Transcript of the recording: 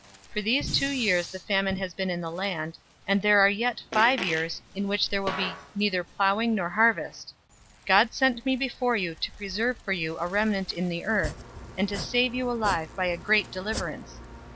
045:006 For these two years the famine has been in the land, and there are yet five years, in which there will be neither plowing nor harvest. 045:007 God sent me before you to preserve for you a remnant in the earth, and to save you alive by a great deliverance.